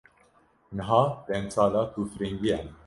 Niha demsala tûfiringiyan e.